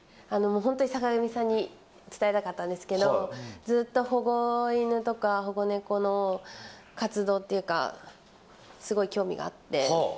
本当に坂上さんに伝えたかったんですけど、ずっと保護犬とか、保護猫の活動というか、すごい興味があって。